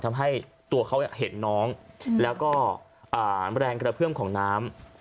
ทำให้ตัวเขาเห็นน้องแล้วก็แรงกระเพื่อมของน้ำ